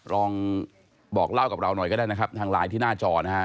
ลองบอกเล่ากับเราหน่อยก็ได้นะครับทางไลน์ที่หน้าจอนะฮะ